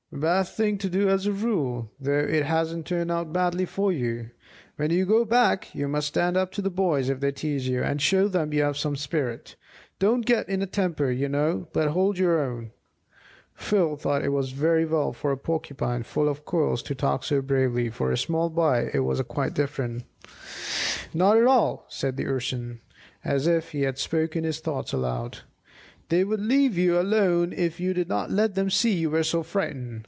"Bad thing to do as a rule, though it hasn't turned out badly for you. When you go back, you must stand up to the boys if they tease you, and show them you have some spirit. Don't get in a temper, you know; but hold your own." Phil thought it was all very well for a Porcupine full of quills to talk so bravely; for a small boy it was quite different. "Not at all," said the Urson, as if he had spoken his thoughts aloud. "They would leave you alone if you did not let them see you were so frightened.